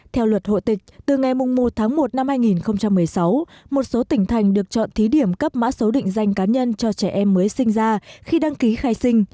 theo luật hội tịch từ ngày một tháng một năm hai nghìn một mươi sáu một số tỉnh thành được chọn thí điểm cấp mã số định danh cá nhân cho trẻ em mới sinh ra khi đăng ký khai sinh